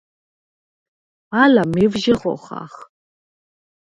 ალა მევჟე ხოხახ.